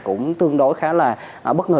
cũng tương đối khá là bất ngờ